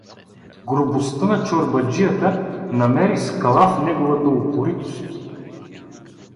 Грубостта на чорбаджията намери скала в неговата упоритост.